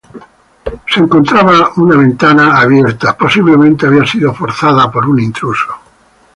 Una ventana se encontraba abierta, posiblemente había sido forzada por un intruso.